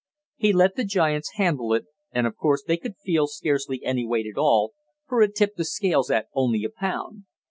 He let the giants handle it, and of course they could feel scarcely any weight at all, for it tipped the scales at only a pound.